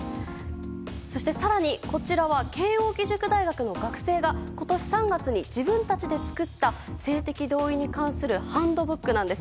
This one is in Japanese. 更に、こちらは慶應義塾大学の学生が今年３月に自分たちで作った性的同意に関するハンドブックなんです。